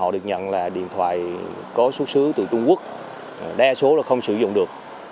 họ được nhận là điện thoại có xuất xứ từ trung quốc đa số là không sử dụng được